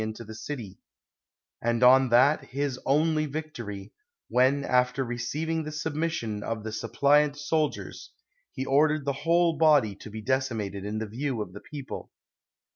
245 THE WORLD'S FAMOUS ORATIONS into the city ; and on that his only victory, when, after receiving the submission of the suppliant soldiers, he ordered the whold body to be deci mated in the view of the people.